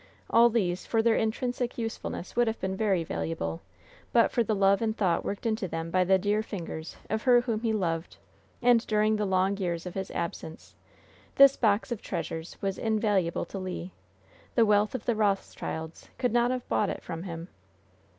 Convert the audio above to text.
All these, for their intrinsic usefulness, would have been very valuable; but for the love and thought worked into them by the dear fingers of her whom he loved, and during the longs years of his absence, this box of treasures was invaluable to Le. The wealth of the Rothschilds could not have bought it from him.